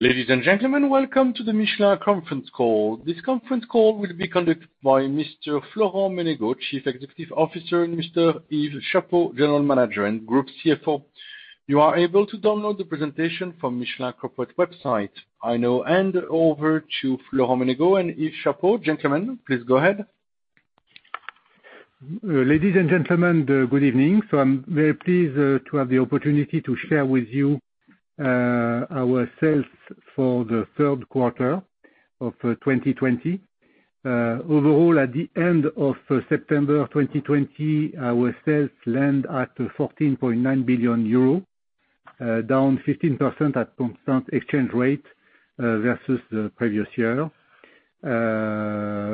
Ladies and gentlemen, welcome to the Michelin Conference Call. This conference call will be conducted by Mr. Florent Menegaux, Chief Executive Officer, and Mr. Yves Chapot, General Manager and Group CFO. You are able to download the presentation from the Michelin Corporate website. I now hand over to Florent Menegaux and Yves Chapot. Gentlemen, please go ahead. Ladies and gentlemen, good evening. I'm very pleased to have the opportunity to share with you our sales for the third quarter of 2020. Overall, at the end of September 2020, our sales land at 14.9 billion euro, down 15% at constant exchange rate versus the previous year,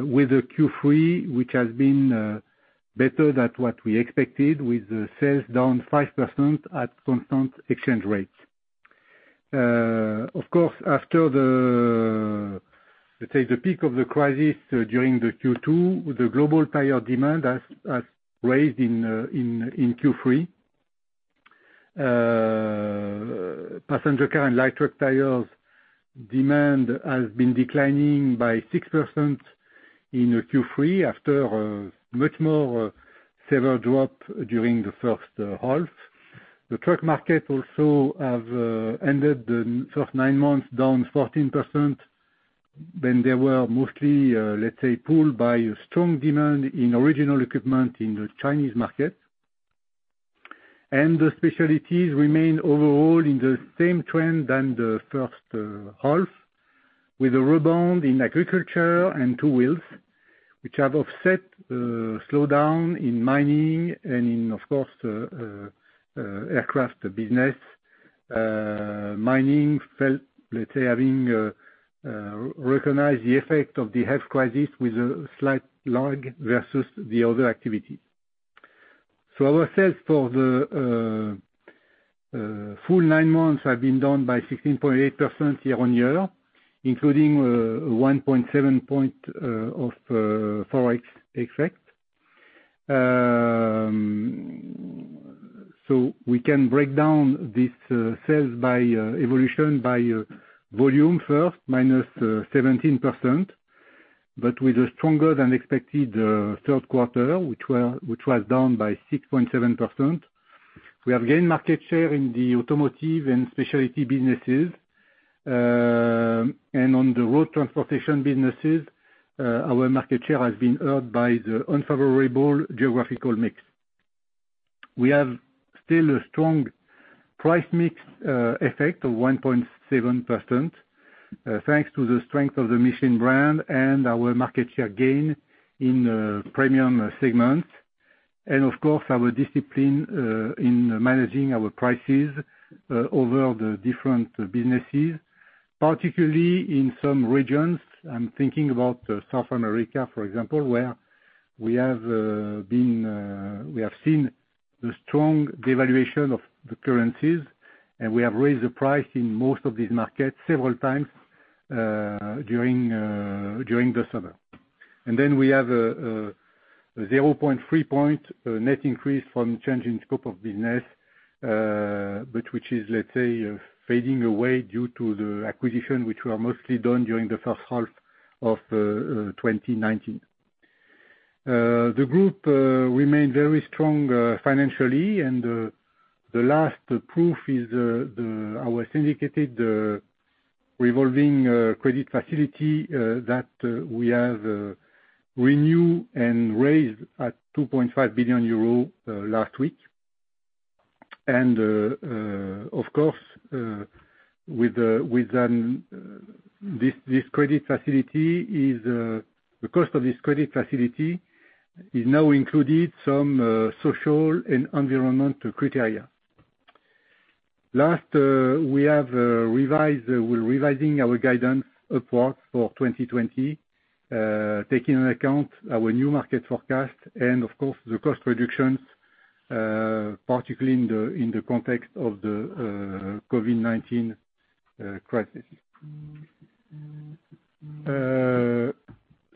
with a Q3 which has been better than what we expected, with sales down 5% at constant exchange rate. Of course, after the peak of the crisis during Q2, the global tire demand has risen in Q3. Passenger car and light truck tires' demand has been declining by 6% in Q3 after a much more severe drop during the first half. The truck market also has ended the first nine months down 14% when they were mostly pulled by strong demand in original equipment in the Chinese market. The specialties remain overall in the same trend as the first half, with a rebound in agriculture and two wheels, which have offset a slowdown in mining and in, of course, aircraft business. Mining felt having recognized the effect of the health crisis with a slight lag versus the other activities. Our sales for the full nine months have been down by 16.8% year-on-year, including a 1.7 point of forex effect. We can break down this sales evolution by volume first, minus 17%, but with a stronger than expected third quarter, which was down by 6.7%. We have gained market share in the automotive and specialty businesses. On the road transportation businesses, our market share has been earned by the unfavorable geographical mix. We have still a strong price mix effect of 1.7% thanks to the strength of the Michelin Brand and our market share gain in premium segments, and of course, our discipline in managing our prices over the different businesses, particularly in some regions. I'm thinking about South America, for example, where we have seen the strong devaluation of the currencies, and we have raised the price in most of these markets several times during the summer, and then we have a 0.3 point net increase from change in scope of business, which is, let's say, fading away due to the acquisition which were mostly done during the first half of 2019. The group remained very strong financially, and the last proof is our syndicated revolving credit facility that we have renewed and raised at 2.5 billion euro last week. And of course, with this credit facility, the cost of this credit facility is now included in some social and environmental criteria. Last, we are revising our guidance upwards for 2020, taking into account our new market forecast and, of course, the cost reductions, particularly in the context of the COVID-19 crisis.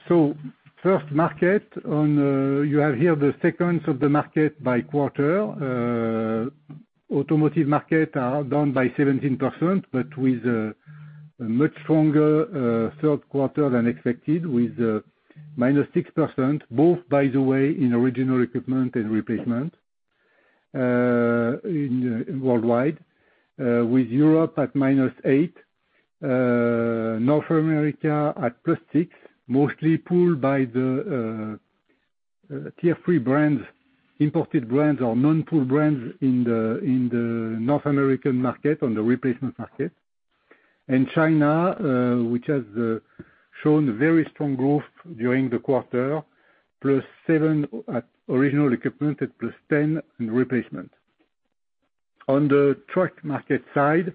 So first market, you have here the size of the market by quarter. Automotive market are down by 17%, but with a much stronger third quarter than expected, with -6%, both by the way in original equipment and replacement worldwide, with Europe at -8%, North America at +6%, mostly pulled by the Tier 3 brands, imported brands or non-premium brands in the North American market on the replacement market. And China, which has shown very strong growth during the quarter, +7% at original equipment and +10% in replacement. On the truck market side,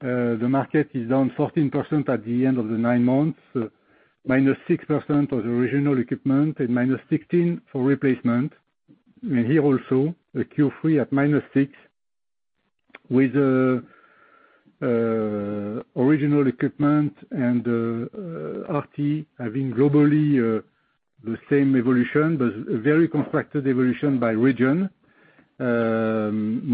the market is down 14% at the end of the nine months, minus 6% of the original equipment and minus 16% for replacement, and here also Q3 at -6%, with original equipment and RT having globally the same evolution, but very contrasted evolution by region,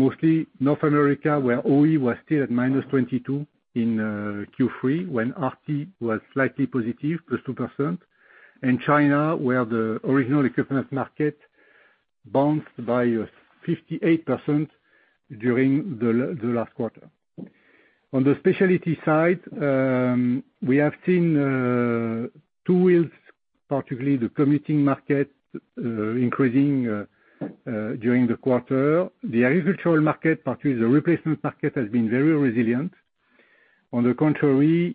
mostly North America where OE was still at minus 22% in Q3 when RT was slightly positive, +2%, and China where the original equipment market bounced by 58% during the last quarter. On the specialty side, we have seen two wheels, particularly the commuting market, increasing during the quarter. The agricultural market, particularly the replacement market, has been very resilient. On the contrary,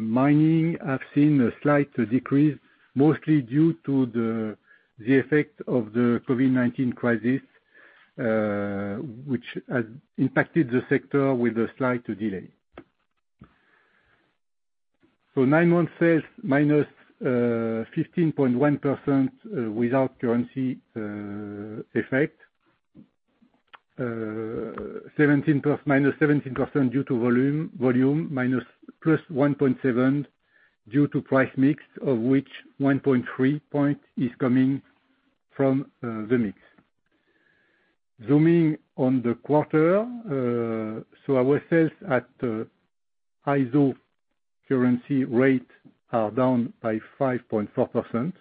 mining has seen a slight decrease, mostly due to the effect of the COVID-19 crisis, which has impacted the sector with a slight delay. So nine months sales minus 15.1% without currency effect, -17% due to volume, +1.7% due to price mix, of which 1.3 point is coming from the mix. Zooming on the quarter, so our sales at ISO currency rate are down by 5.4%,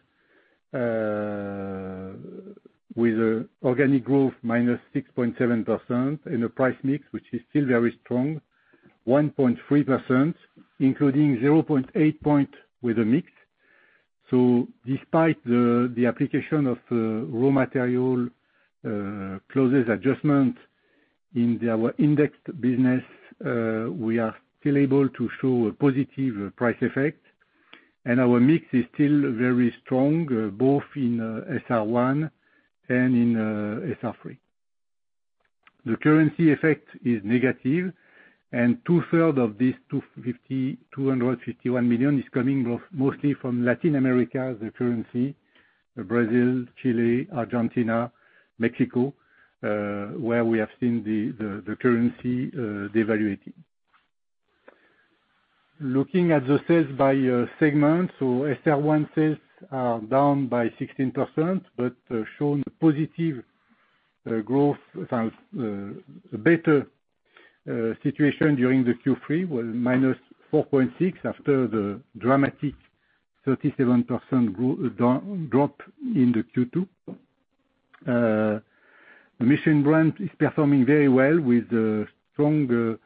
with an organic growth-6.7%, and a price mix which is still very strong, 1.3%, including 0.8 point with the mix. So despite the application of raw material clauses adjustment in our indexed business, we are still able to show a positive price effect, and our mix is still very strong, both in SR1 and in SR3. The currency effect is negative, and two-thirds of this 251 million is coming mostly from Latin America, the currency, Brazil, Chile, Argentina, Mexico, where we have seen the currency devaluating. Looking at the sales by segment, so SR1 sales are down by 16%, but showing a positive growth, a better situation during the Q3, -4.6% after the dramatic 37% drop in the Q2. The Michelin brand is performing very well with strong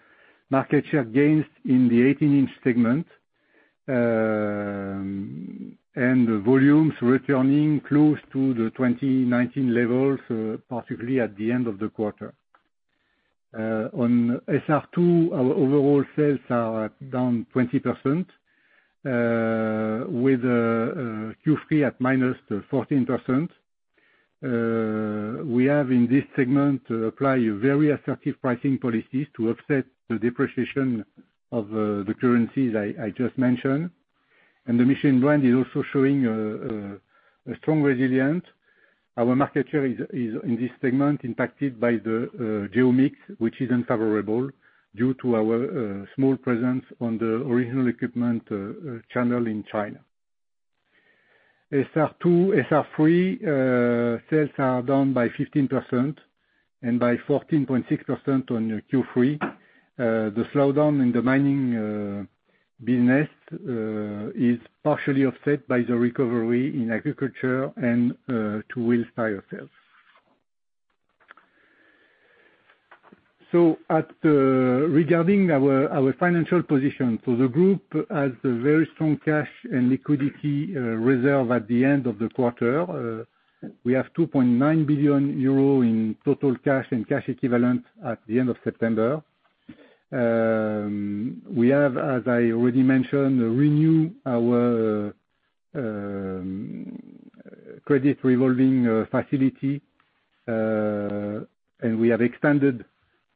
market share gains in the 18-inch segment, and volumes returning close to the 2019 levels, particularly at the end of the quarter. On SR2, our overall sales are down 20%, with Q3 at minus 14%. We have, in this segment, applied very assertive pricing policies to offset the depreciation of the currencies I just mentioned, and the Michelin brand is also showing a strong resilience. Our market share is, in this segment, impacted by the geo mix, which is unfavorable due to our small presence on the original equipment channel in China. SR2, SR3 sales are down by 15% and by 14.6% on Q3. The slowdown in the mining business is partially offset by the recovery in agriculture and two wheels tire sales. So regarding our financial position, the group has a very strong cash and liquidity reserve at the end of the quarter. We have 2.9 billion euro in total cash and cash equivalent at the end of September. We have, as I already mentioned, renewed our revolving credit facility, and we have expanded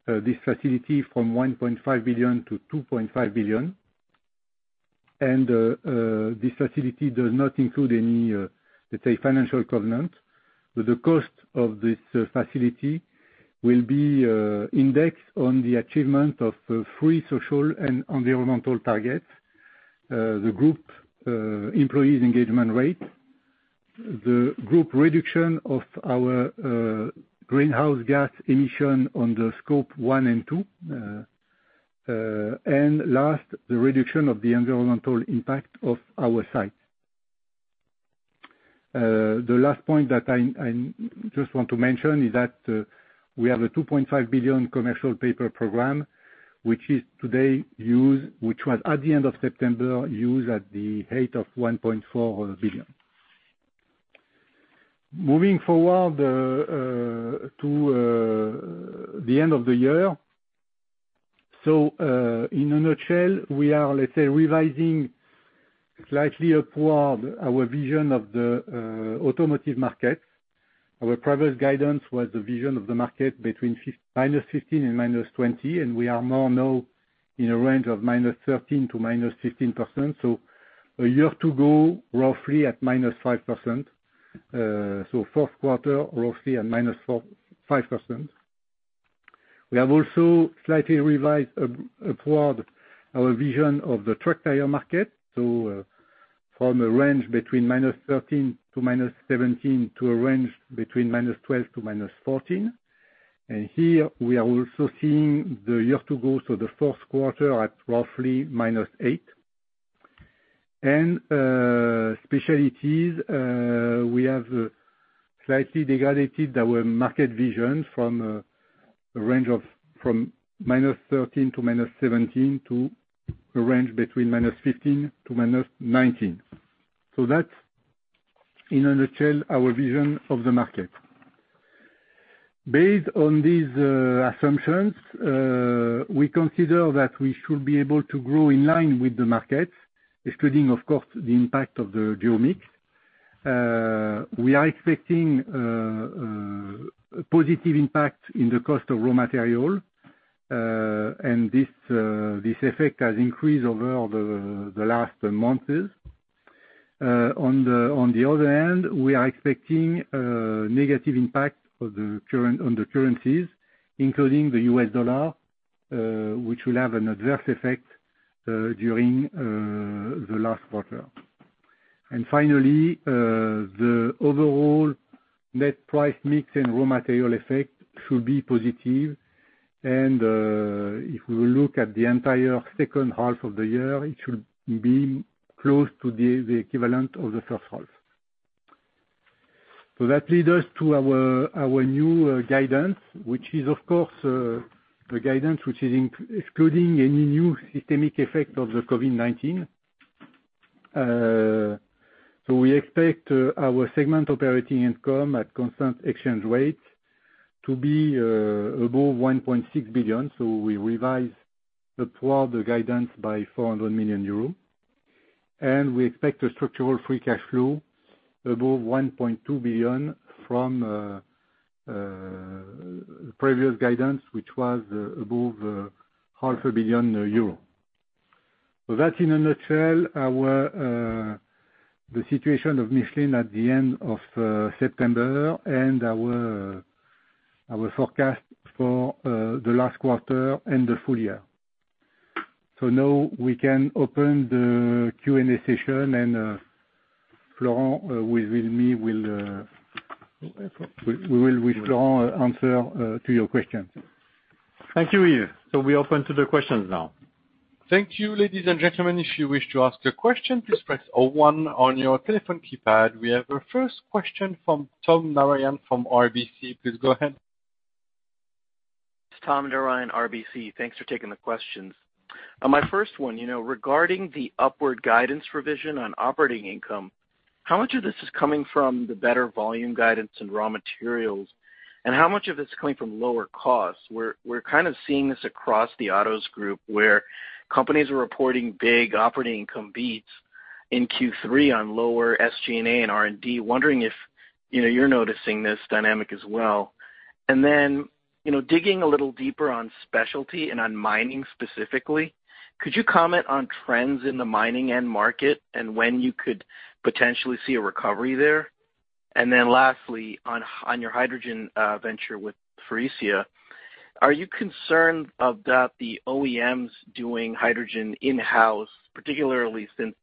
this facility from 1.5 billion-2.5 billion. And this facility does not include any, let's say, financial covenant. The cost of this facility will be indexed on the achievement of three social and environmental targets: the group employees engagement rate, the group reduction of our greenhouse gas emission on the Scope 1 and 2, and last, the reduction of the environmental impact of our site. The last point that I just want to mention is that we have a 2.5 billion commercial paper program, which is today used, which was at the end of September used at the height of 1.4 billion. Moving forward to the end of the year, so in a nutshell, we are, let's say, revising slightly upward our vision of the automotive market. Our previous guidance was the vision of the market between -15% and minus 20%, and we are now in a range of minus 13%-15%. So a year to go, roughly at -5%. So fourth quarter, roughly at -5%. We have also slightly revised upward our vision of the truck tire market, so from a range between -13%-17% to a range between -12%-14%. Here, we are also seeing the year-to-go, so the fourth quarter at roughly -8%. Specialties, we have slightly degraded our market vision from a range of -13%-17% to a range between -15%-19%. That's, in a nutshell, our vision of the market. Based on these assumptions, we consider that we should be able to grow in line with the market, excluding, of course, the impact of the geo mix. We are expecting a positive impact in the cost of raw material, and this effect has increased over the last months. On the other hand, we are expecting a negative impact on the currencies, including the U.S. dollar, which will have an adverse effect during the last quarter. Finally, the overall net price mix and raw material effect should be positive. If we look at the entire second half of the year, it should be close to the equivalent of the first half. So that leads us to our new guidance, which is, of course, a guidance which is excluding any new systemic effect of the COVID-19. So we expect our segment operating income at constant exchange rate to be above 1.6 billion. So we revise upward the guidance by 400 million euro. And we expect a structural free cash flow above 1.2 billion from previous guidance, which was above 500 million euro. So that's, in a nutshell, the situation of Michelin at the end of September and our forecast for the last quarter and the full year. So now we can open the Q&A session, and Florent and I will answer your questions. Thank you, Yves. So we open to the questions now. Thank you, ladies and gentlemen. If you wish to ask a question, please press 01 on your telephone keypad. We have a first question from Tom Narayan from RBC. Please go ahead. It's Tom Narayan, RBC. Thanks for taking the questions. My first one, regarding the upward guidance revision on operating income, how much of this is coming from the better volume guidance in raw materials, and how much of this is coming from lower costs? We're kind of seeing this across the autos group where companies are reporting big operating income beats in Q3 on lower SG&A and R&D. Wondering if you're noticing this dynamic as well. And then digging a little deeper on specialty and on mining specifically, could you comment on trends in the mining end market and when you could potentially see a recovery there? And then lastly, on your hydrogen venture with Faurecia, are you concerned about the OEMs doing hydrogen in-house, particularly since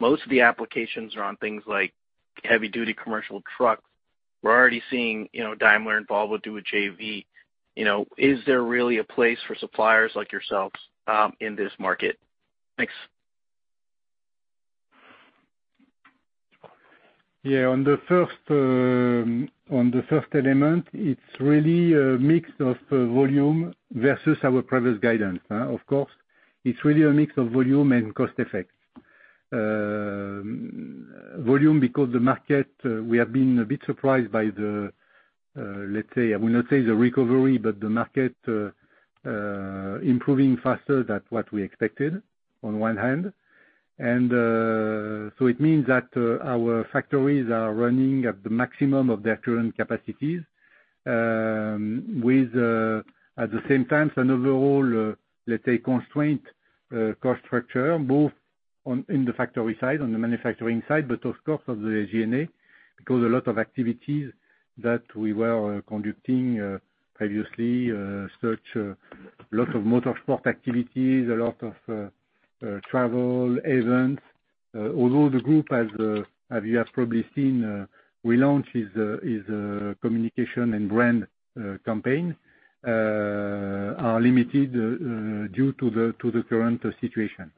most of the applications are on things like heavy-duty commercial trucks? We're already seeing Daimler and Volvo do a JV. Is there really a place for suppliers like yourselves in this market? Thanks. Yeah. On the first element, it's really a mix of volume versus our previous guidance. Of course, it's really a mix of volume and cost effect. Volume because the market, we have been a bit surprised by the, let's say, I will not say the recovery, but the market improving faster than what we expected on one hand. And so it means that our factories are running at the maximum of their current capacities with, at the same time, an overall, let's say, constrained cost structure, both in the factory side, on the manufacturing side, but of course, of the SG&A, because a lot of activities that we were conducting previously, such as a lot of motorsport activities, a lot of travel events. Although the group, as you have probably seen, we launched a communication and brand campaign, are limited due to the current situation.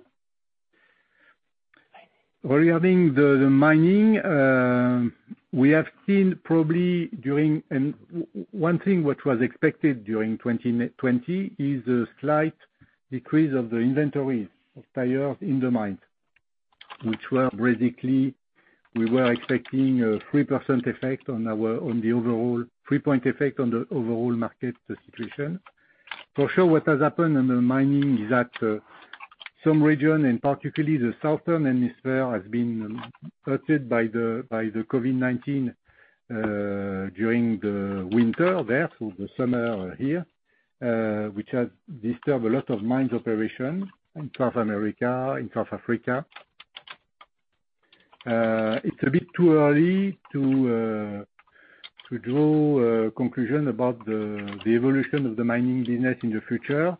Regarding the mining, we have seen probably during one thing which was expected during 2020 is a slight decrease of the inventory of tires in the mines, which were basically, we were expecting a 3% effect on the overall, 3-point effect on the overall market situation. For sure, what has happened in the mining is that some region, and particularly the southern hemisphere, has been affected by the COVID-19 during the winter there, so the summer here, which has disturbed a lot of mines operations in South America, in South Africa. It's a bit too early to draw a conclusion about the evolution of the mining business in the future.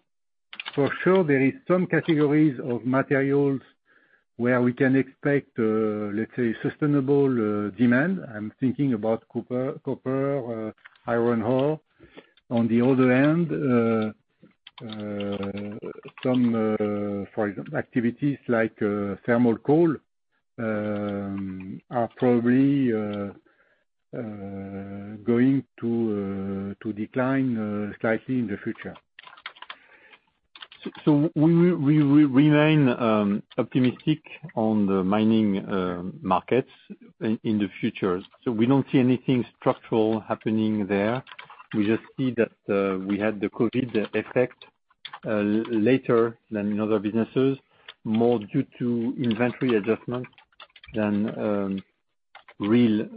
For sure, there are some categories of materials where we can expect, let's say, sustainable demand. I'm thinking about copper, iron ore. On the other hand, some, for example, activities like thermal coal are probably going to decline slightly in the future, so we remain optimistic on the mining markets in the future, so we don't see anything structural happening there. We just see that we had the COVID effect later than in other businesses, more due to inventory adjustment than real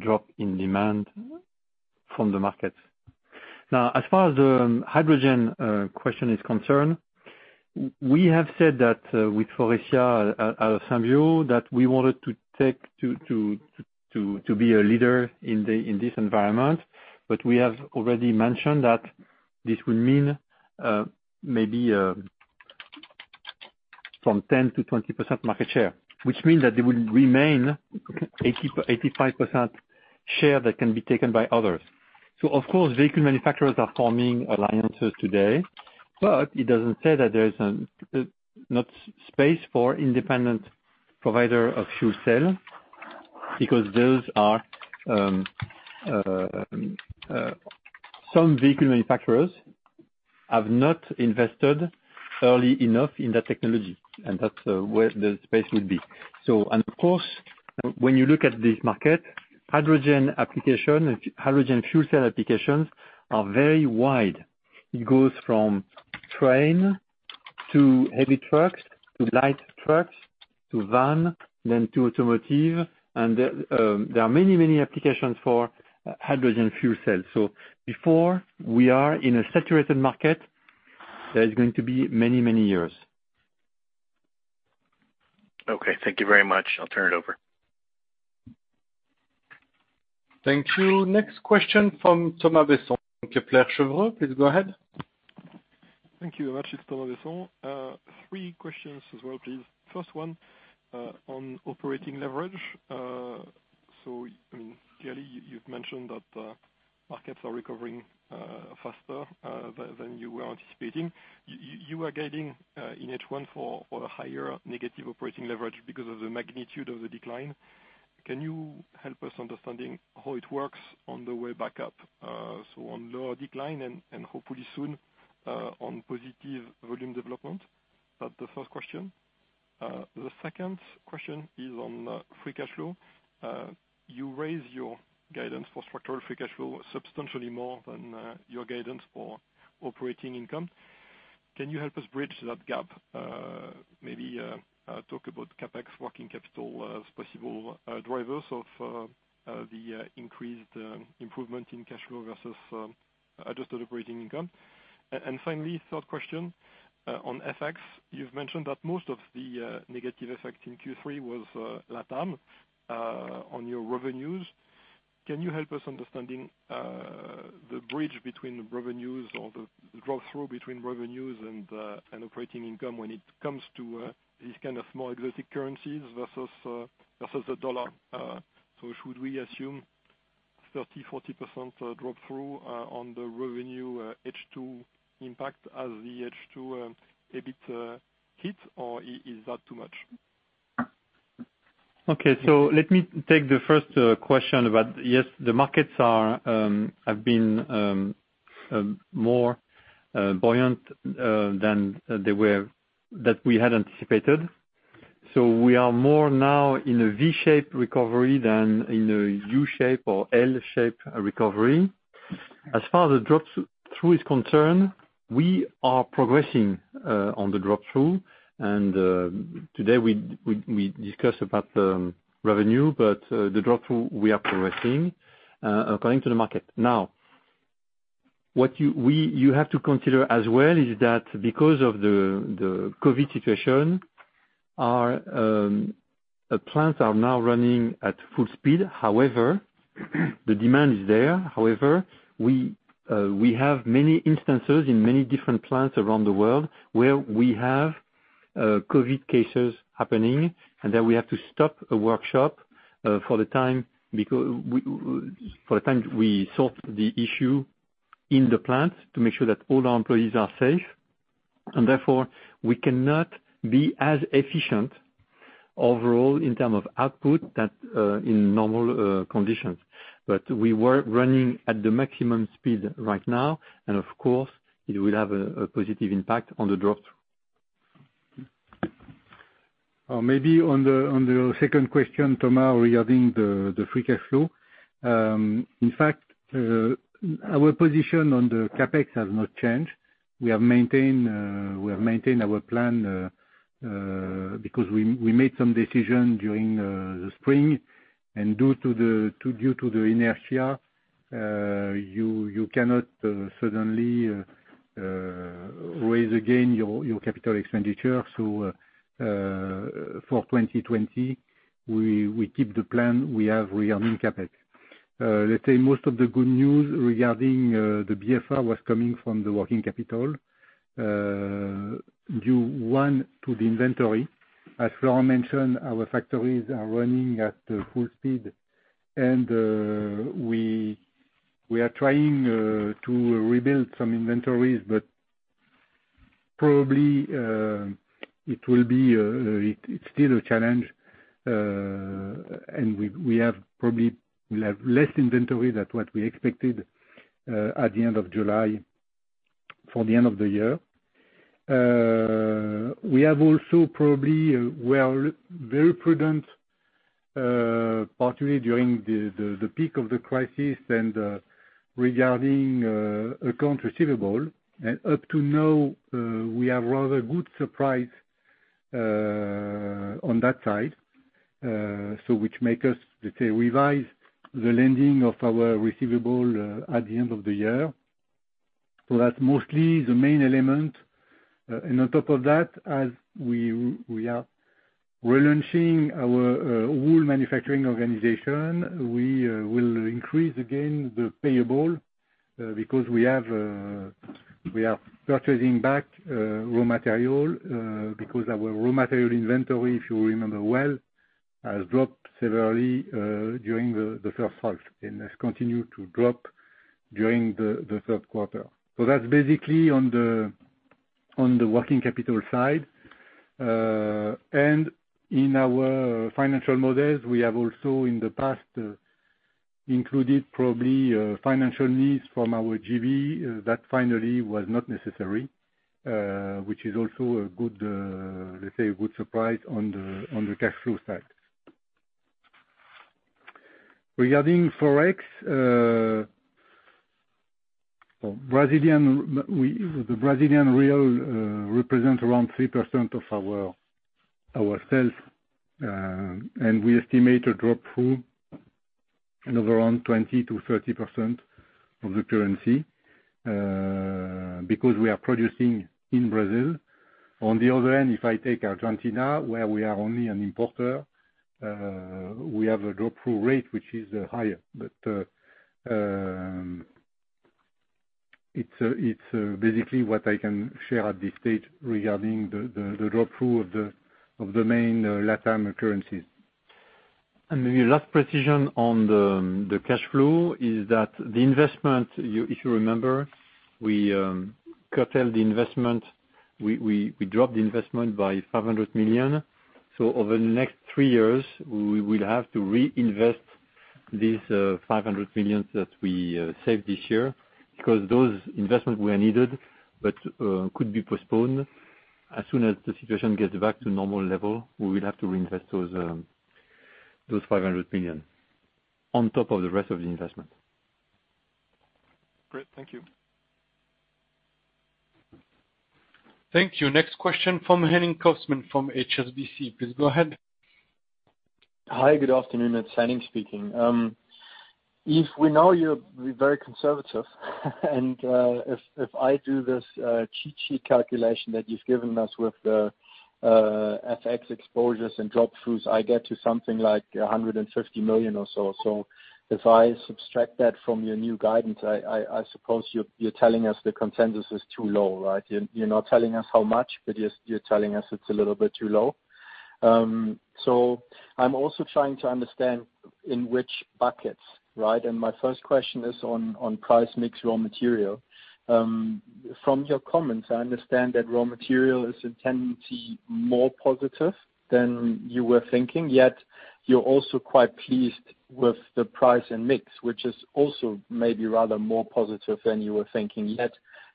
drop in demand from the market. Now, as far as the hydrogen question is concerned, we have said that with Faurecia and Symbio, that we wanted to take to be a leader in this environment, but we have already mentioned that this would mean maybe from 10%-20% market share, which means that they will remain 85% share that can be taken by others. Of course, vehicle manufacturers are forming alliances today, but it doesn't say that there's not space for independent providers of fuel cells because some vehicle manufacturers have not invested early enough in that technology, and that's where the space would be. And of course, when you look at this market, hydrogen applications, hydrogen fuel cell applications are very wide. It goes from train to heavy trucks to light trucks to van, then to automotive. And there are many, many applications for hydrogen fuel cells. Before we are in a saturated market, there is going to be many, many years. Okay. Thank you very much. I'll turn it over. Thank you. Next question from Thomas Besson. Monsieur, Kepler Cheuvreux, please go ahead. Thank you very much. It's Thomas Besson. Three questions as well, please. First one on operating leverage. So, I mean, clearly, you've mentioned that markets are recovering faster than you were anticipating. You are guiding in H1 for a higher negative operating leverage because of the magnitude of the decline. Can you help us understanding how it works on the way back up? So on lower decline and hopefully soon on positive volume development. That's the first question. The second question is on free cash flow. You raise your guidance for structural free cash flow substantially more than your guidance for operating income. Can you help us bridge that gap? Maybe talk about CapEx, working capital, possible drivers of the increased improvement in cash flow versus adjusted operating income, and finally, third question on FX. You've mentioned that most of the negative effect in Q3 was LATAM on your revenues. Can you help us understanding the bridge between revenues or the drawthrough between revenues and operating income when it comes to these kind of more exotic currencies versus the dollar? So should we assume 30%-40% drawthrough on the revenue H2 impact as the H2 a bit hit, or is that too much? Okay. So let me take the first question about, yes, the markets have been more buoyant than we had anticipated. So we are more now in a V-shape recovery than in a U-shape or L-shape recovery. As far as the drop-through is concerned, we are progressing on the drop-through. And today, we discussed about the revenue, but the drop-through, we are progressing according to the market. Now, what you have to consider as well is that because of the COVID situation, our plants are now running at full speed. However, the demand is there. However, we have many instances in many different plants around the world where we have COVID cases happening, and then we have to stop a workshop for the time we sort the issue in the plant to make sure that all our employees are safe. Therefore, we cannot be as efficient overall in terms of output in normal conditions. We were running at the maximum speed right now, and of course, it will have a positive impact on the drawthrough. Maybe on the second question, Thomas, regarding the free cash flow. In fact, our position on the CapEx has not changed. We have maintained our plan because we made some decisions during the spring. And due to the inertia, you cannot suddenly raise again your capital expenditure. So for 2020, we keep the plan we have regarding CapEx. Let's say most of the good news regarding the WCR was coming from the working capital due to the inventory. As Florent mentioned, our factories are running at full speed, and we are trying to rebuild some inventories, but probably it will be still a challenge. And we probably were very prudent, particularly during the peak of the crisis and regarding accounts receivable. Up to now, we have rather good surprise on that side, which makes us, let's say, revise the level of our receivables at the end of the year. That's mostly the main element. On top of that, as we are relaunching our whole manufacturing organization, we will increase again the payables because we are purchasing back raw material because our raw material inventory, if you remember well, has dropped severely during the first half and has continued to drop during the third quarter. That's basically on the working capital side. In our financial models, we have also in the past included probably financial needs from our JV that finally was not necessary, which is also a good, let's say, a good surprise on the cash flow side. Regarding Faurecia, the Brazilian real represents around 3% of our sales, and we estimate a drawthrough of around 20%-30% of the currency because we are producing in Brazil. On the other hand, if I take Argentina, where we are only an importer, we have a drawthrough rate which is higher. But it's basically what I can share at this stage regarding the drawthrough of the main LATAM currencies. And maybe last precision on the cash flow is that the investment, if you remember, we curtailed the investment. We dropped the investment by 500 million. So over the next three years, we will have to reinvest these 500 million that we saved this year because those investments were needed but could be postponed. As soon as the situation gets back to normal level, we will have to reinvest those 500 million on top of the rest of the investment. Great. Thank you. Thank you. Next question from Henning Cosman from HSBC. Please go ahead. Hi. Good afternoon. It's Henning speaking. If we know you'll be very conservative, and if I do this cheat sheet calculation that you've given us with the FX exposures and drawthroughs, I get to something like 150 million or so. So if I subtract that from your new guidance, I suppose you're telling us the consensus is too low, right? You're not telling us how much, but you're telling us it's a little bit too low. So I'm also trying to understand in which buckets, right? And my first question is on price mix raw material. From your comments, I understand that raw material is in tendency more positive than you were thinking, yet you're also quite pleased with the price and mix, which is also maybe rather more positive than you were thinking. Yet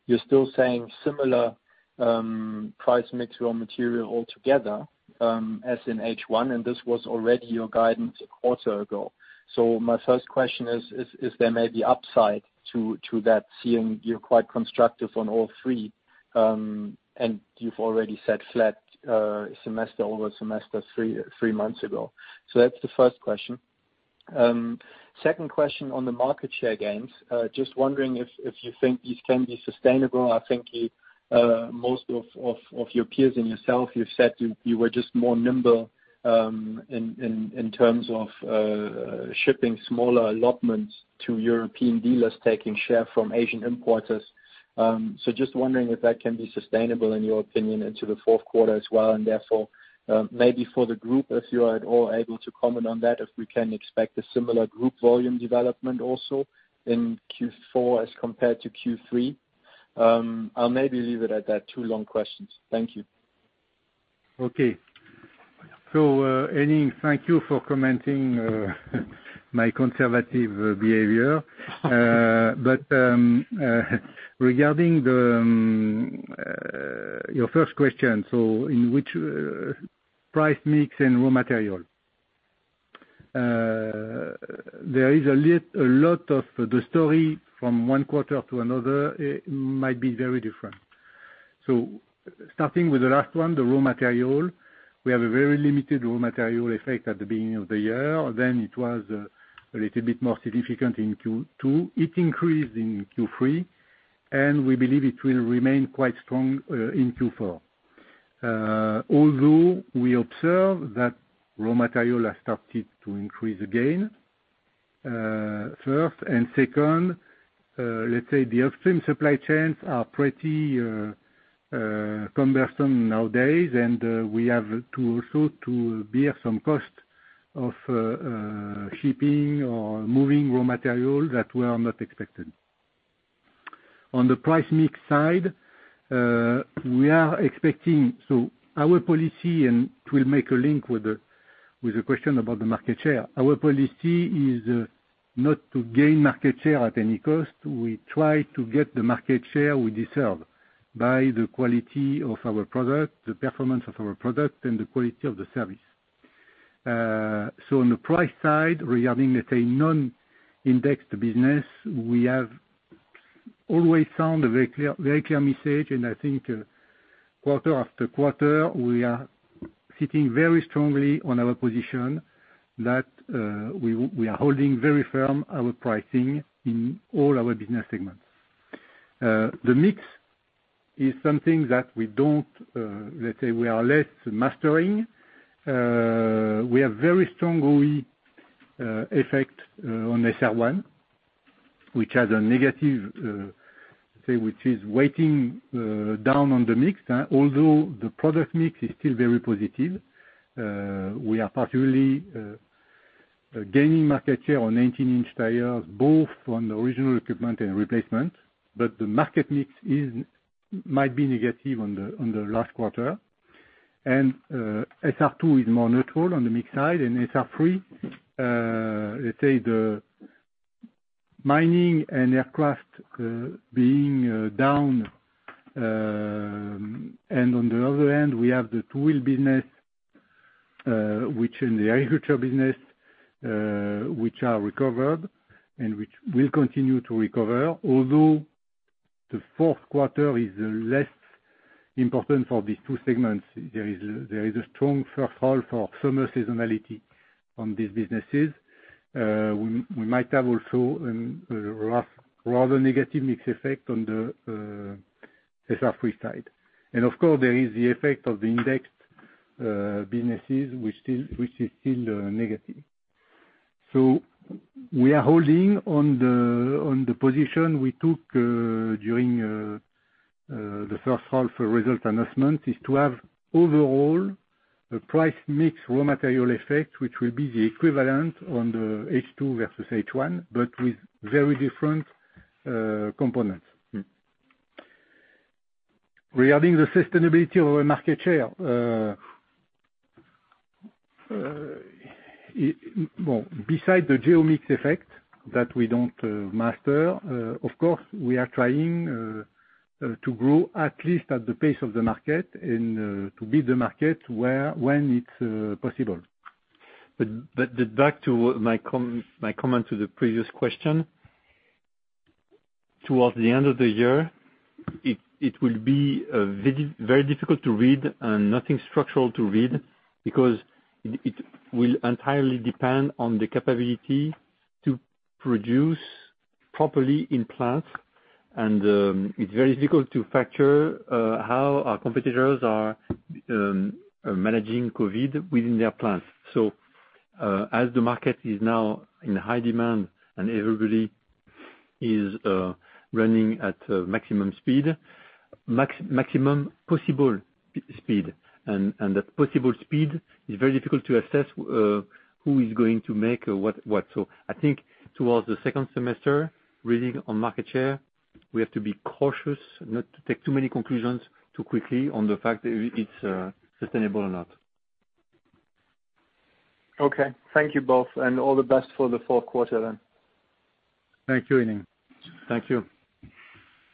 you're still saying similar price mix raw material altogether as in H1, and this was already your guidance a quarter ago. So my first question is, is there maybe upside to that seeing you're quite constructive on all three, and you've already said flat semester over semester three months ago? So that's the first question. Second question on the market share gains. Just wondering if you think these can be sustainable. I think most of your peers and yourself, you've said you were just more nimble in terms of shipping smaller allotments to European dealers taking share from Asian importers. So just wondering if that can be sustainable in your opinion into the fourth quarter as well. And therefore, maybe for the group, if you are at all able to comment on that, if we can expect a similar group volume development also in Q4 as compared to Q3. I'll maybe leave it at that. Two long questions. Thank you. Okay. So Henning, thank you for commenting on my conservative behavior. But regarding your first question, so in which price mix and raw material, there is a lot of the story from one quarter to another might be very different. So starting with the last one, the raw material, we have a very limited raw material effect at the beginning of the year. Then it was a little bit more significant in Q2. It increased in Q3, and we believe it will remain quite strong in Q4. Although we observe that raw material has started to increase again, first. And second, let's say the upstream supply chains are pretty cumbersome nowadays, and we have to also bear some cost of shipping or moving raw material that were not expected. On the price mix side, we are expecting, so our policy, and it will make a link with the question about the market share. Our policy is not to gain market share at any cost. We try to get the market share we deserve by the quality of our product, the performance of our product, and the quality of the service. So on the price side, regarding, let's say, non-indexed business, we have always found a very clear message, and I think quarter after quarter, we are sitting very strongly on our position that we are holding very firm our pricing in all our business segments. The mix is something that we don't, let's say, we are less mastering. We have very strong OE effect on SR1, which has a negative, let's say, which is weighing down on the mix. Although the product mix is still very positive, we are particularly gaining market share on 19-inch tires, both on the original equipment and replacement, but the market mix might be negative in the last quarter, and SR2 is more neutral on the mix side. And SR3, let's say, the mining and aircraft being down, and on the other hand, we have the two-wheel business and the agriculture business, which are recovered and which will continue to recover. Although the fourth quarter is less important for these two segments, there is a strong first half for summer seasonality on these businesses. We might have also a rather negative mix effect on the SR3 side. And of course, there is the effect of the indexed businesses, which is still negative. We are holding on the position we took during the first half result announcement is to have overall a price mix raw material effect, which will be the equivalent on the H2 versus H1, but with very different components. Regarding the sustainability of our market share, well, besides the geo mix effect that we don't master, of course, we are trying to grow at least at the pace of the market and to beat the market when it's possible. But back to my comment to the previous question, towards the end of the year, it will be very difficult to read and nothing structural to read because it will entirely depend on the capability to produce properly in plants. And it's very difficult to factor how our competitors are managing COVID within their plants. So as the market is now in high demand and everybody is running at maximum speed, maximum possible speed. And that possible speed is very difficult to assess who is going to make what. So I think towards the second semester, reading on market share, we have to be cautious not to take too many conclusions too quickly on the fact that it's sustainable or not. Okay. Thank you both, and all the best for the fourth quarter then. Thank you, Henning. Thank you.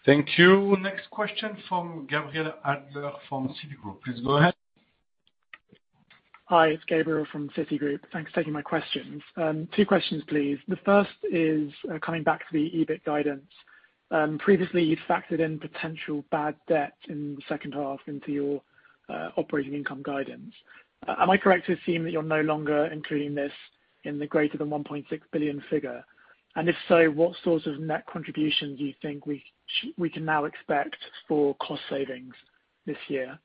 Thank you. Next question from Gabriel Adler from Citigroup. Please go ahead. Hi. It's Gabriel from Citigroup. Thanks for taking my questions. Two questions, please. The first is coming back to the EBIT guidance. Previously, you've factored in potential bad debt in the second half into your operating income guidance. Am I correct to assume that you're no longer including this in the greater than 1.6 billion figure? And if so, what sort of net contribution do you think we can now expect for cost savings this year?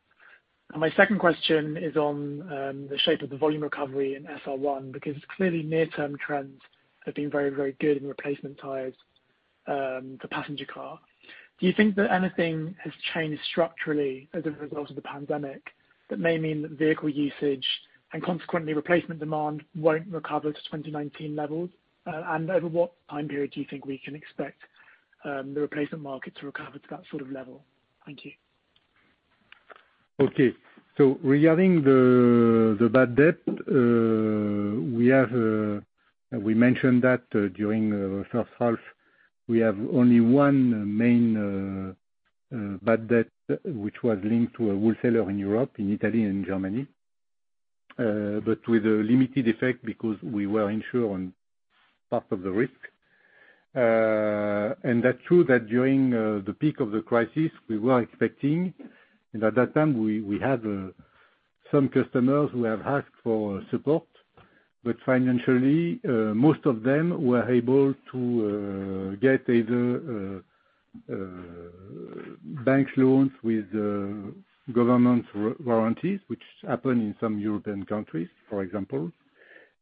And my second question is on the shape of the volume recovery in SR1 because clearly near-term trends have been very, very good in replacement tires for passenger car. Do you think that anything has changed structurally as a result of the pandemic that may mean that vehicle usage and consequently replacement demand won't recover to 2019 levels? Over what time period do you think we can expect the replacement market to recover to that sort of level? Thank you. Okay, so regarding the bad debt, we mentioned that during the first half, we have only one main bad debt, which was linked to a wholesaler in Europe, in Italy and Germany, but with a limited effect because we were insured on part of the risk, and that's true that during the peak of the crisis, we were expecting, and at that time, we had some customers who have asked for support. But financially, most of them were able to get either bank loans with government warranties, which happened in some European countries, for example,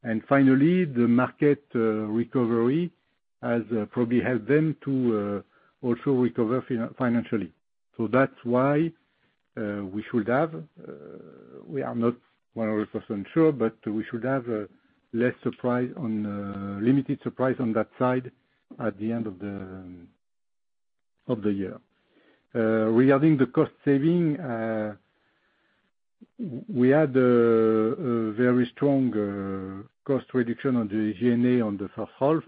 and finally, the market recovery has probably helped them to also recover financially. That's why we should have—we are not 100% sure—but we should have less surprise or limited surprise on that side at the end of the year. Regarding the cost saving, we had a very strong cost reduction on the G&A on the first half.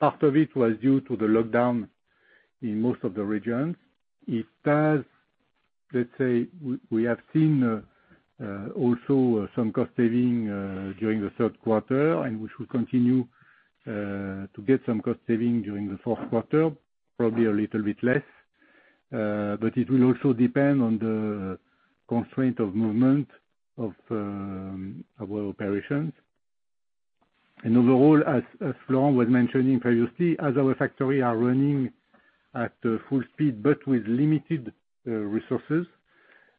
Part of it was due to the lockdown in most of the regions. It has, let's say, we have seen also some cost saving during the third quarter, and we should continue to get some cost saving during the fourth quarter, probably a little bit less. But it will also depend on the constraint of movement of our operations, and overall, as Florent was mentioning previously, as our factories are running at full speed but with limited resources,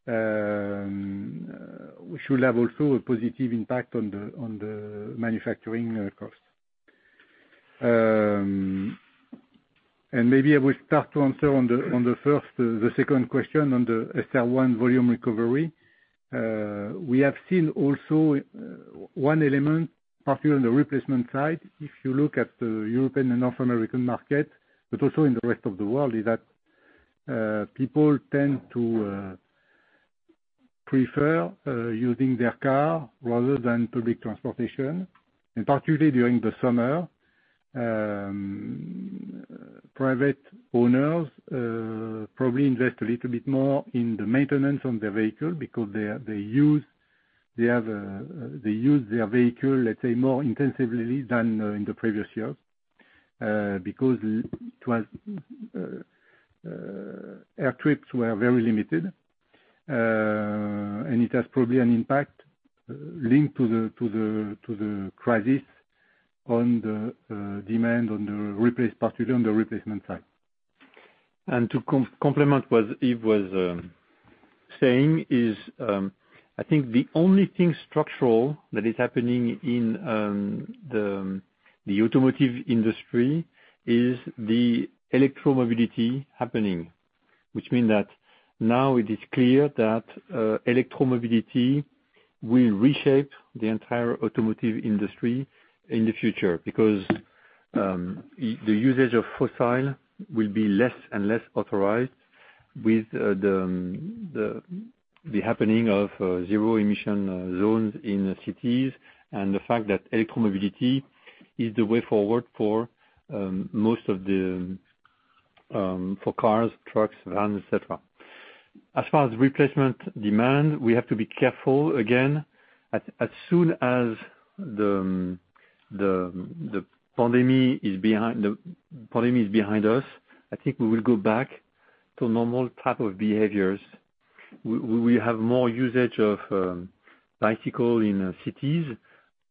we should have also a positive impact on the manufacturing cost, and maybe I will start to answer on the second question on the SR1 volume recovery. We have seen also one element, particularly on the replacement side. If you look at the European and North American market, but also in the rest of the world, is that people tend to prefer using their car rather than public transportation, and particularly during the summer. Private owners probably invest a little bit more in the maintenance of their vehicle because they use their vehicle, let's say, more intensively than in the previous years because air trips were very limited, and it has probably an impact linked to the crisis on the demand on the replacement side. To complement what Yves was saying, I think the only thing structural that is happening in the automotive industry is the electromobility happening, which means that now it is clear that electromobility will reshape the entire automotive industry in the future because the usage of fossil will be less and less authorized with the happening of zero-emission zones in cities and the fact that electromobility is the way forward for most of the cars, trucks, vans, etc. As far as replacement demand, we have to be careful again. As soon as the pandemic is behind us, I think we will go back to normal type of behaviors. We will have more usage of bicycles in cities,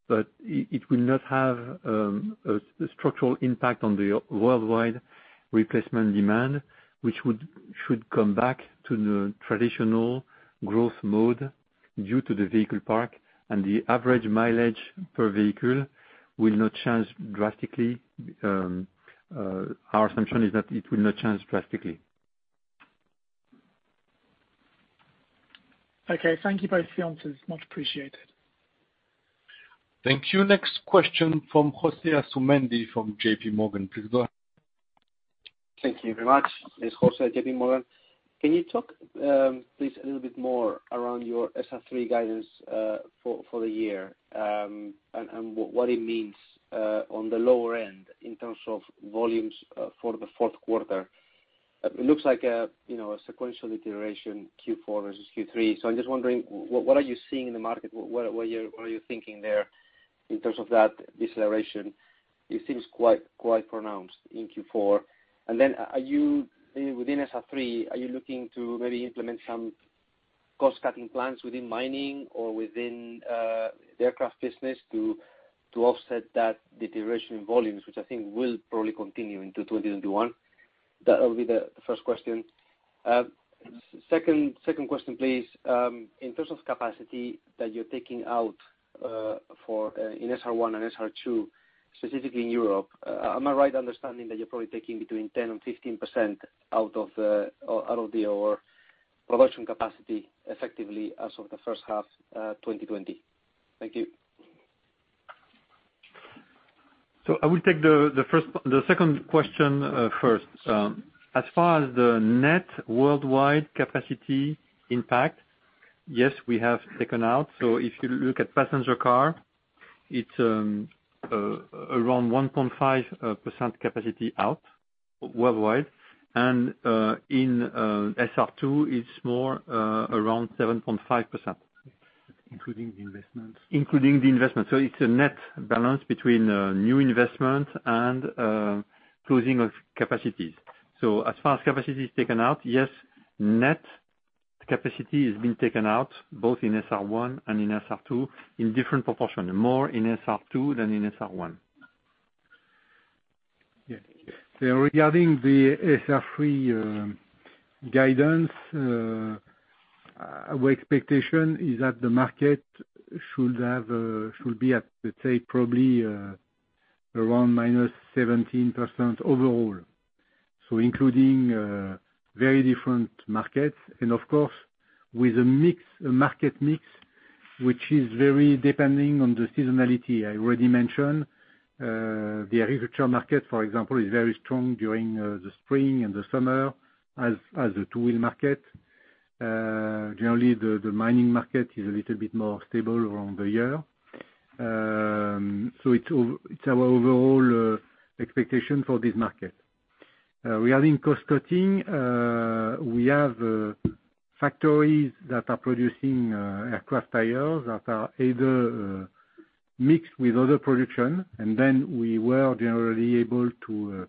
but it will not have a structural impact on the worldwide replacement demand, which should come back to the traditional growth mode due to the vehicle park. The average mileage per vehicle will not change drastically. Our assumption is that it will not change drastically. Okay. Thank you both for your answers. Much appreciated. Thank you. Next question from José Asumendi from J.P. Morgan. Please go ahead. Thank you very much, José at JPMorgan. Can you talk please a little bit more around your SR3 guidance for the year and what it means on the lower end in terms of volumes for the fourth quarter? It looks like a sequential iteration, Q4 versus Q3. So I'm just wondering, what are you seeing in the market? What are you thinking there in terms of that deceleration? It seems quite pronounced in Q4. And then within SR3, are you looking to maybe implement some cost-cutting plans within mining or within the aircraft business to offset that deterioration in volumes, which I think will probably continue into 2021? That will be the first question. Second question, please. In terms of capacity that you're taking out in SR1 and SR2, specifically in Europe, am I right understanding that you're probably taking between 10% and 15% out of your production capacity effectively as of the first half 2020? Thank you. So I will take the second question first. As far as the net worldwide capacity impact, yes, we have taken out. So if you look at passenger car, it's around 1.5% capacity out worldwide. And in SR2, it's more around 7.5%. Including the investments. Including the investments. So it's a net balance between new investment and closing of capacities. So as far as capacity is taken out, yes, net capacity has been taken out both in SR1 and in SR2 in different proportions, more in SR2 than in SR1. Yeah. Regarding the SR3 guidance, our expectation is that the market should be at, let's say, probably around -17% overall, so including very different markets, and of course, with a market mix which is very depending on the seasonality. I already mentioned the agriculture market, for example, is very strong during the spring and the summer as the two-wheel market. Generally, the mining market is a little bit more stable around the year, so it's our overall expectation for this market. Regarding cost-cutting, we have factories that are producing aircraft tires that are either mixed with other production, and then we were generally able to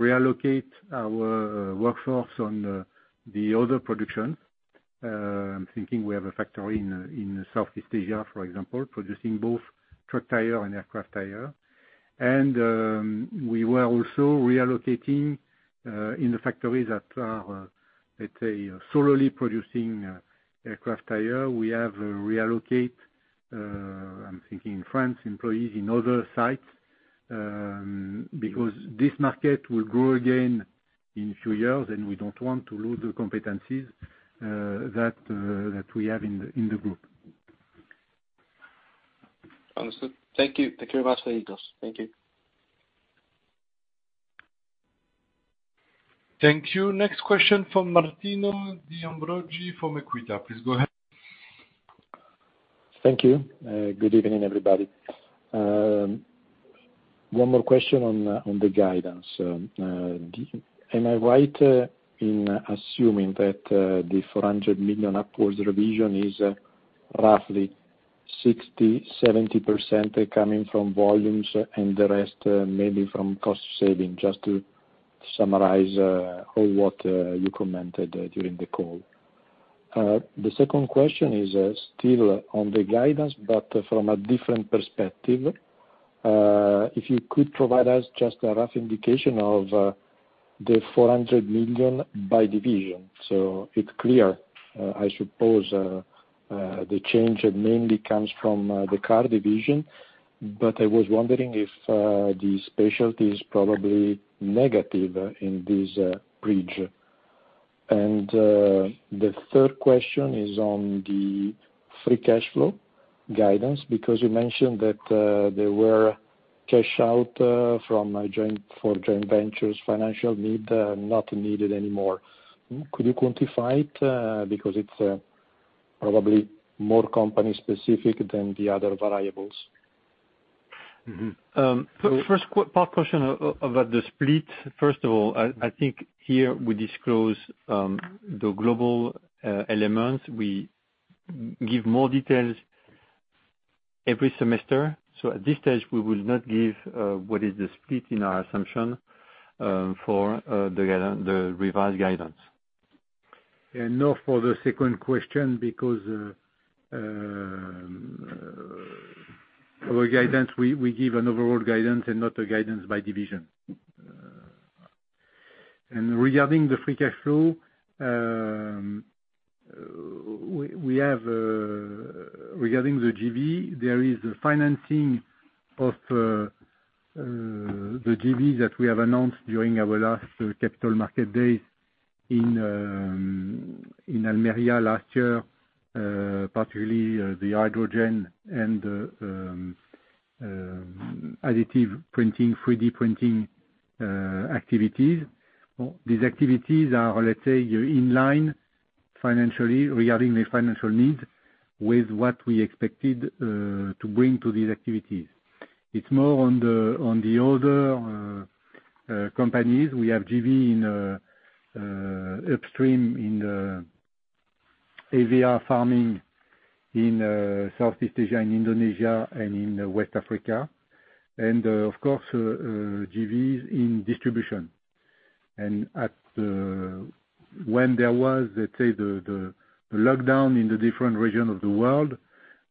reallocate our workforce on the other production. I'm thinking we have a factory in Southeast Asia, for example, producing both truck tire and aircraft tire, and we were also reallocating in the factories that are, let's say, solely producing aircraft tire. We have reallocated, I'm thinking, in France, employees in other sites because this market will grow again in a few years, and we don't want to lose the competencies that we have in the group. Understood. Thank you. Thank you very much, Felicitas. Thank you. Thank you. Next question from Martino De Ambrogio from EQUITA. Please go ahead. Thank you. Good evening, everybody. One more question on the guidance. Am I right in assuming that the 400 million upwards revision is roughly 60%-70% coming from volumes and the rest maybe from cost saving? Just to summarize what you commented during the call. The second question is still on the guidance, but from a different perspective. If you could provide us just a rough indication of the 400 million by division. So it's clear, I suppose, the change mainly comes from the car division, but I was wondering if the specialty is probably negative in this bridge. And the third question is on the free cash flow guidance because you mentioned that there were cash out for joint ventures financial need not needed anymore. Could you quantify it because it's probably more company-specific than the other variables? First part question about the split. First of all, I think here we disclose the global elements. We give more details every semester. So at this stage, we will not give what is the split in our assumption for the revised guidance. Not for the second question because our guidance, we give an overall guidance and not a guidance by division. Regarding the free cash flow, regarding the JV, there is the financing of the JV that we have announced during our last Capital Markets Day in Almería last year, particularly the hydrogen and the additive printing, 3D printing activities. These activities are, let's say, in line financially regarding the financial needs with what we expected to bring to these activities. It's more on the older companies. We have JV upstream in our farming in Southeast Asia, in Indonesia, and in West Africa. Of course, JVs in distribution. When there was, let's say, the lockdown in the different regions of the world,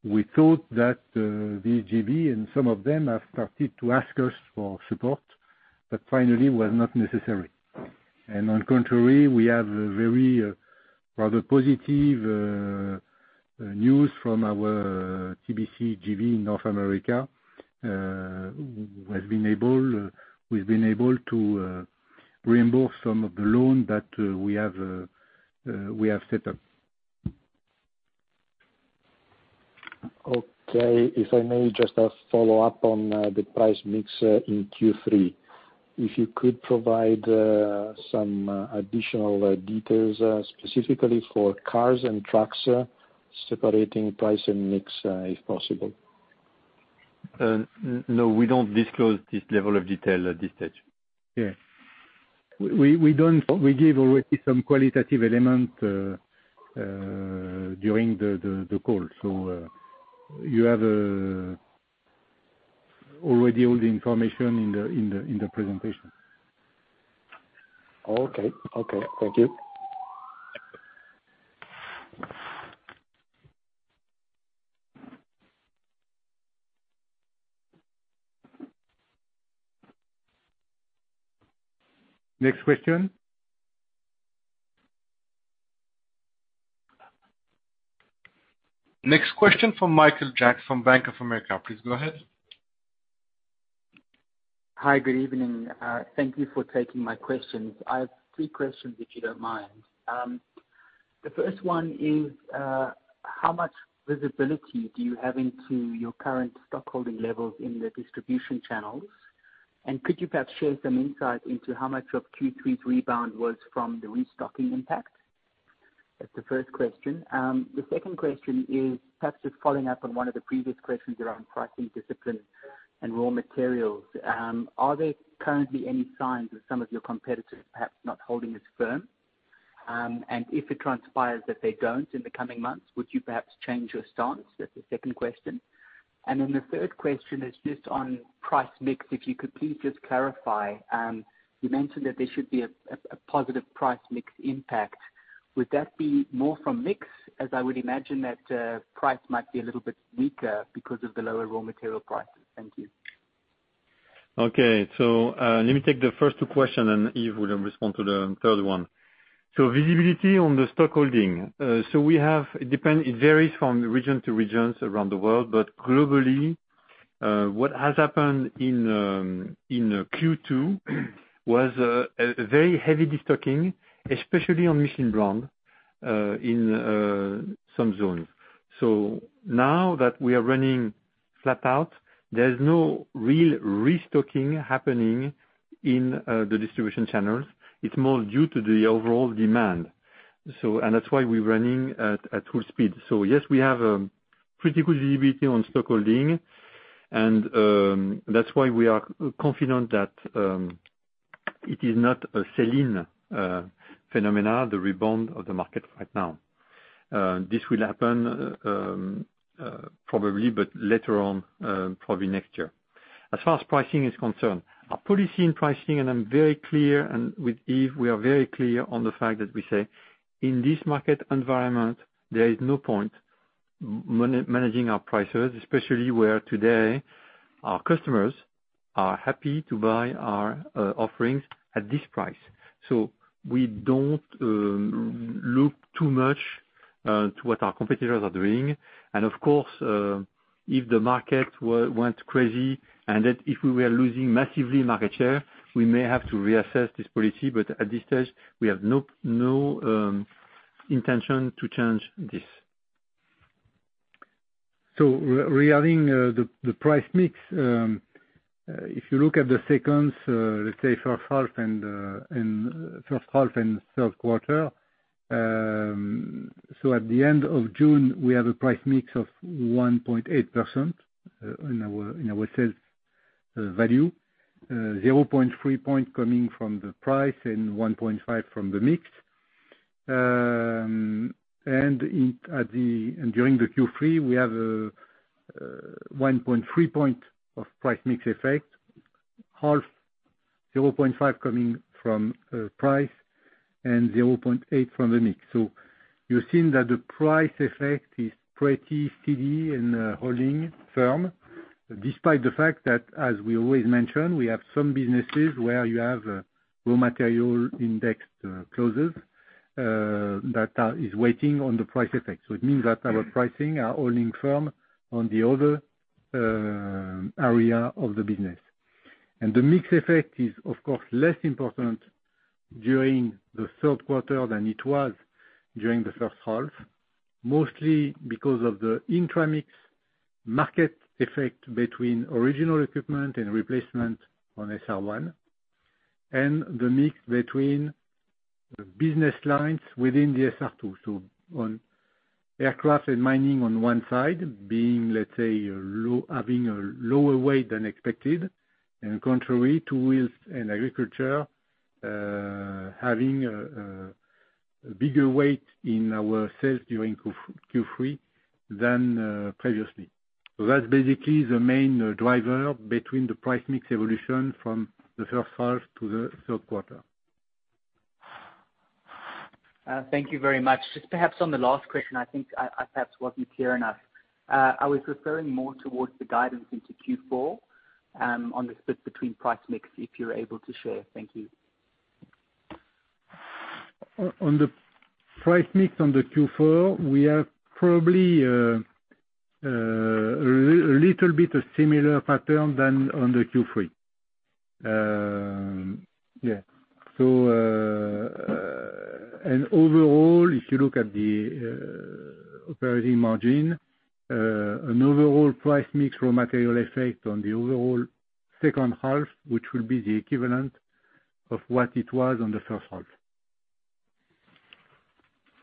we thought that these JV and some of them have started to ask us for support, but finally, it was not necessary. On the contrary, we have very rather positive news from our TBC JV in North America who has been able to reimburse some of the loans that we have set up. Okay. If I may just follow up on the price mix in Q3, if you could provide some additional details specifically for cars and trucks separating price and mix if possible? No, we don't disclose this level of detail at this stage. Yeah. We gave already some qualitative elements during the call. So you have already all the information in the presentation. Okay. Okay. Thank you. Next question. Next question from Michael Jacks, Bank of America. Please go ahead. Hi, good evening. Thank you for taking my questions. I have three questions if you don't mind. The first one is, how much visibility do you have into your current stockholding levels in the distribution channels? And could you perhaps share some insight into how much of Q3's rebound was from the restocking impact? That's the first question. The second question is perhaps just following up on one of the previous questions around pricing discipline and raw materials. Are there currently any signs of some of your competitors perhaps not holding as firm? And if it transpires that they don't in the coming months, would you perhaps change your stance? That's the second question. And then the third question is just on price mix. If you could please just clarify, you mentioned that there should be a positive price mix impact. Would that be more from mix as I would imagine that price might be a little bit weaker because of the lower raw material prices? Thank you. Okay. So let me take the first two questions, and Yves will respond to the third one. So visibility on the stockholding. So it varies from region to region around the world, but globally, what has happened in Q2 was very heavy destocking, especially on Michelin Brand in some zones. So now that we are running flat out, there's no real restocking happening in the distribution channels. It's more due to the overall demand. And that's why we're running at full speed. So yes, we have pretty good visibility on stockholding, and that's why we are confident that it is not a seasonal phenomenon, the rebound of the market right now. This will happen probably, but later on, probably next year. As far as pricing is concerned, our policy in pricing, and I'm very clear, and with Yves, we are very clear on the fact that we say, in this market environment, there is no point managing our prices, especially where today our customers are happy to buy our offerings at this price. So we don't look too much to what our competitors are doing. And of course, if the market went crazy and if we were losing massively market share, we may have to reassess this policy. But at this stage, we have no intention to change this. So regarding the price mix, if you look at the second, let's say, first half and third quarter, so at the end of June, we have a price mix of 1.8% in our sales value, 0.3 point coming from the price and 1.5 from the mix. During the Q3, we have 1.3 point of price mix effect, half 0.5 coming from price and 0.8 from the mix. So you've seen that the price effect is pretty steady and holding firm despite the fact that, as we always mention, we have some businesses where you have raw material indexed clauses that are weighing on the price effect. So it means that our pricing are holding firm on the other area of the business. And the mix effect is, of course, less important during the third quarter than it was during the first half, mostly because of the intra-mix market effect between original equipment and replacement on SR1 and the mix between business lines within the SR2. So, on aircraft and mining on one side being, let's say, having a lower weight than expected, and contrary, two wheels and agriculture having a bigger weight in our sales during Q3 than previously. So that's basically the main driver between the price mix evolution from the first half to the third quarter. Thank you very much. Just perhaps on the last question, I think I perhaps wasn't clear enough. I was referring more towards the guidance into Q4 on the split between price mix if you're able to share? Thank you. On the Price Mix on the Q4, we have probably a little bit of similar pattern than on the Q3. Yeah, and overall, if you look at the operating margin, an overall Price Mix raw material effect on the overall second half, which will be the equivalent of what it was on the first half.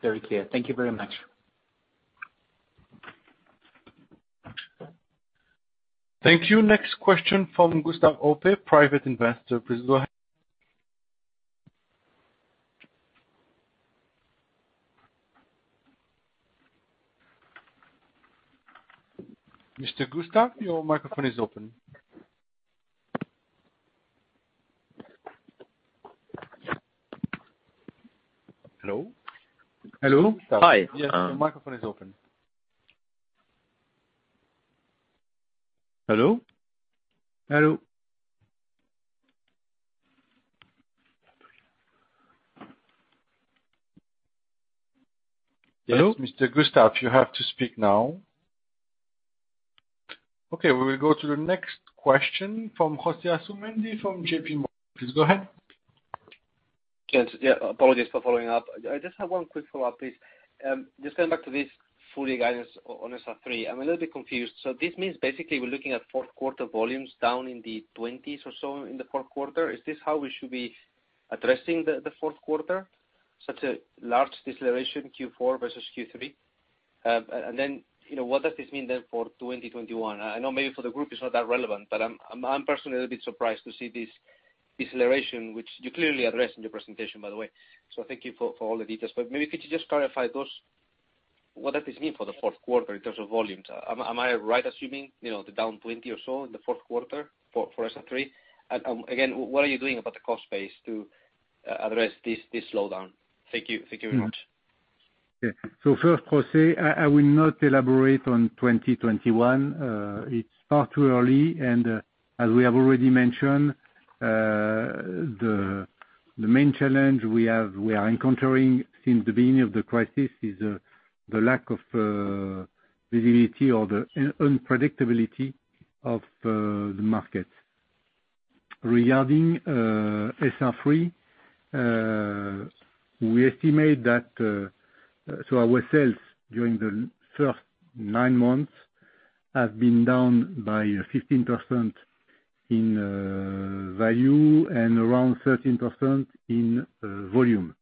Very clear. Thank you very much. Thank you. Next question from Gustav Ope, private investor. Please go ahead. Mr. Gustav, your microphone is open. Hello? Hello. Hi. Yes, your microphone is open. Hello? Hello. Yes? Yes, Mr. Gustav, you have to speak now. Okay. We will go to the next question from José Asumendi from J.P. Morgan. Please go ahead. Yes. Yeah. Apologies for following up. I just have one quick follow-up, please. Just going back to this full guidance on SR3, I'm a little bit confused. So this means basically we're looking at fourth quarter volumes down in the 20s or so in the fourth quarter. Is this how we should be addressing the fourth quarter, such a large deceleration Q4 versus Q3? And then what does this mean then for 2021? I know maybe for the group, it's not that relevant, but I'm personally a little bit surprised to see this deceleration, which you clearly addressed in your presentation, by the way. So thank you for all the details. But maybe could you just clarify what does this mean for the fourth quarter in terms of volumes? Am I right assuming the down 20 or so in the fourth quarter for SR3? Again, what are you doing about the cost base to address this slowdown? Thank you. Thank you very much. Yeah. So first, José, I will not elaborate on 2021. It's far too early. And as we have already mentioned, the main challenge we are encountering since the beginning of the crisis is the lack of visibility or the unpredictability of the market. Regarding SR3, we estimate that our sales during the first nine months have been down by 15% in value and around 13% in volume.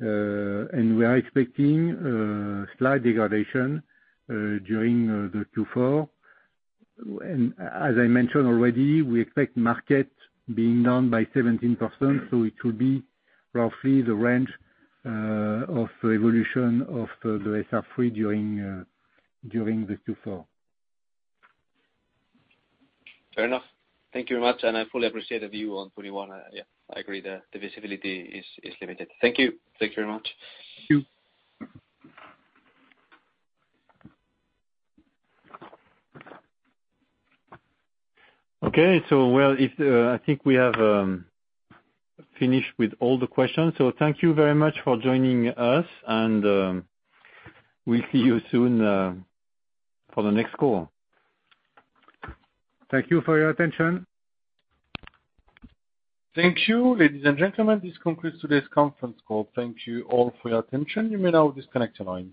And we are expecting slight degradation during the Q4. And as I mentioned already, we expect market being down by 17%. So it will be roughly the range of evolution of the SR3 during the Q4. Fair enough. Thank you very much, and I fully appreciate the view on 21. Yeah, I agree. The visibility is limited. Thank you. Thank you very much. Thank you. Okay. So, well, I think we have finished with all the questions. So thank you very much for joining us, and we'll see you soon for the next call. Thank you for your attention. Thank you, ladies and gentlemen. This concludes today's conference call. Thank you all for your attention. You may now disconnect and.